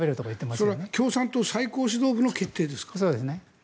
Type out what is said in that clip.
それは共産党最高指導部の決定ですか。